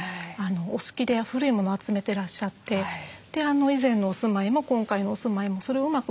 お好きで古い物を集めてらっしゃって以前のお住まいも今回のお住まいもそれをうまく